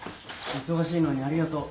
忙しいのにありがとう。